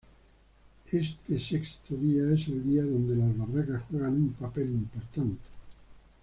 Este sexto día es el día donde las barracas juegan un papel importante.